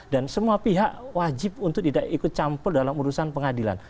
dan semua pihak wajib untuk tidak ikut campur dalam urusan pengadilan